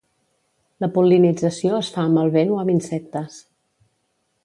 La pol·linització es fa amb el vent o amb insectes.